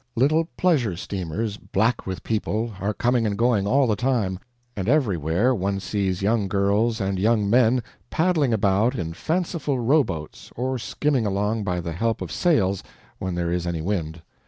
Little pleasure steamers, black with people, are coming and going all the time; and everywhere one sees young girls and young men paddling about in fanciful rowboats, or skimming along by the help of sails when there is any wind.